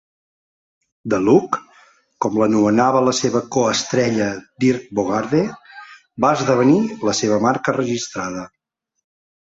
"The Look", com l"anomenava la seva co-estrella Dirk Bogarde, va esdevenir la seva marca registrada.